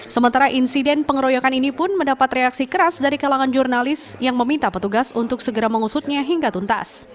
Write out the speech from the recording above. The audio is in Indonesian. sementara insiden pengeroyokan ini pun mendapat reaksi keras dari kalangan jurnalis yang meminta petugas untuk segera mengusutnya hingga tuntas